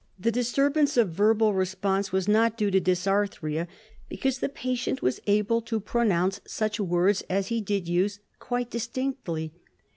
The disturbance of verbal response was not due to dysarthria, because the patient was able to pronounce such words as he did use, quite distinctly.